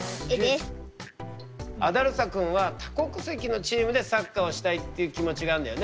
アダルサくんは多国籍のチームでサッカーをしたいっていう気持ちがあんだよね。